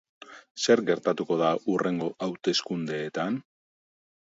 Zer gertatuko da hurrengo hauteskundeetan?